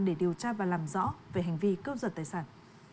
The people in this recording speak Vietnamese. để điều tra và làm rõ về hành vi cướp giật tài sản